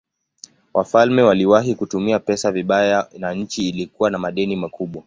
Wafalme waliwahi kutumia pesa vibaya na nchi ilikuwa na madeni makubwa.